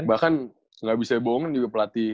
bahkan gak bisa bohong juga pelatih